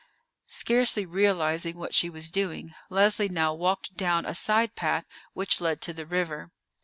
Scarcely realizing what she was doing, Leslie now walked down a side path which led to the river.